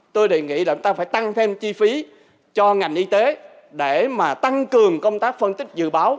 tôi đề nghị là chúng ta phải tăng thêm chi phí cho ngành y tế để mà tăng cường công tác phân tích dự báo